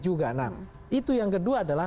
juga nah itu yang kedua adalah